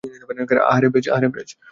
আহারে, ব্র্যায!